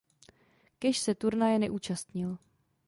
Cash se turnaje neúčastnil.